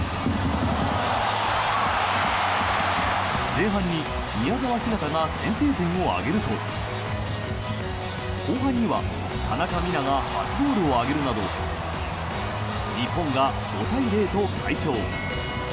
前半に宮澤ひなたが先制点を挙げると後半には田中美南が初ゴールを挙げるなど日本が５対０と快勝。